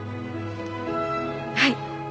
はい。